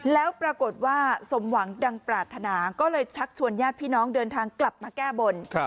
แล้วปรากฏว่าสมหวังดังปรารถนาก็เลยชักชวนญาติพี่น้องเดินทางกลับมาแก้บน